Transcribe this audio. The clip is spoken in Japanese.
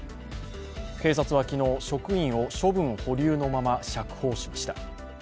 警察は昨日、職員を処分保留のまま釈放しました。